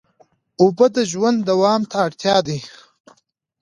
اوبه د ژوند دوام ته اړتیا دي.